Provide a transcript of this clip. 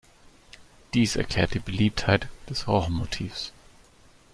Dies erklärt die Beliebtheit des Roch-Motivs.